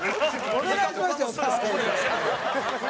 お願いしますよ。